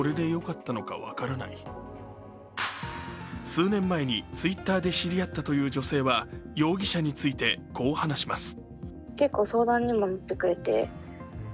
数年前にＴｗｉｔｔｅｒで知り合ったという女性は、容疑者について、こう話します。